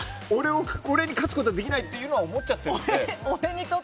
俺に勝つことはできないっていうのは思っちゃっているので。